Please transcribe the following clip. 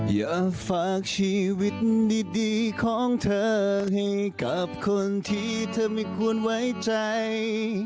อยากฝากชีวิตดีของเธอให้กับคนที่เธอไม่ควรไว้ใจ